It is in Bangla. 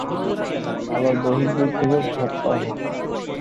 আবার দৈহিক দিক থেকেও সত্তা অনন্ত।